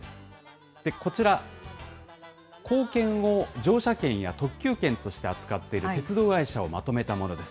こちら、硬券を乗車券や特急券として扱っている鉄道会社をまとめたものです。